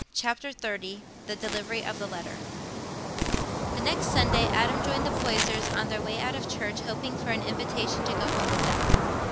Chapter XXX The Delivery of the Letter The next Sunday Adam joined the Poysers on their way out of church, hoping for an invitation to go home with them.